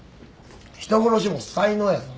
人殺しも才能やぞ。